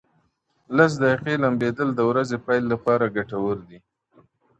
لس دقیقې لمبېدل د ورځې پیل لپاره ګټور دي.